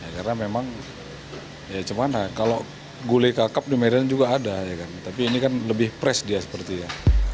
karena memang ya cuman lah kalau gulai kakap di medan juga ada tapi ini kan lebih pres dia seperti ya